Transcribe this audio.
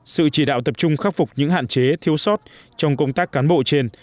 sự chỉ đạo tập trung khắc phục những hạn chế thiếu sót trong công tác cán bộ trên